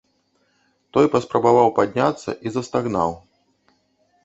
Той паспрабаваў падняцца і застагнаў.